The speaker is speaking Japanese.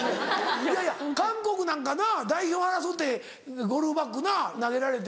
いやいや韓国なんかな代表争ってゴルフバッグな投げられて。